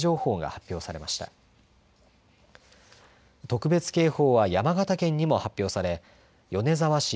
特別警報は山形県にも発表され米沢市、